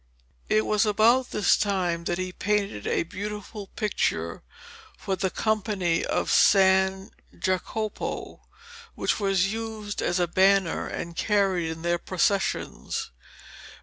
It was about this time that he painted a beautiful picture for the Company of San Jacopo, which was used as a banner and carried in their processions.